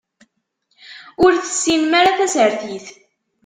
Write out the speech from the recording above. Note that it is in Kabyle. Ur tessinem ara tasertit.